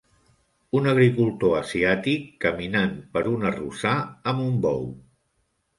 Un agricultor asiàtic caminant per un arrossar mb un bou.